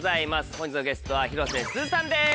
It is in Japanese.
本日のゲストは広瀬すずさんです。